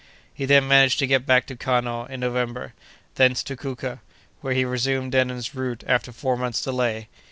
He then managed to get back to Kano in November, thence to Kouka, where he resumed Denham's route after four months' delay.